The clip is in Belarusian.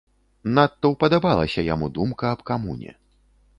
Надта ўпадабалася яму думка аб камуне.